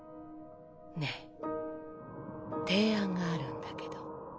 ねえ提案があるんだけど。